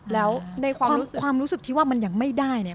แล้วในความรู้สึกที่ว่ามันยังไม่ได้เนี่ย